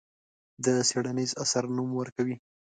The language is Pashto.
د څېړنیز اثر نوم ورکوي.